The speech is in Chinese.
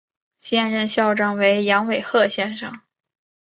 现任校长为杨伟贤先生。